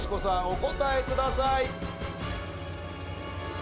お答えください。